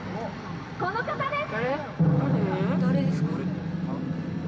この方です。